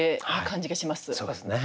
そうですね。